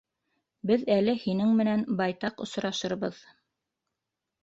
Беҙ әле һинең менән байтаҡ осрашырбыҙ.